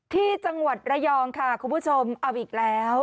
ที่จังหวัดระยองค่ะคุณผู้ชมเอาอีกแล้ว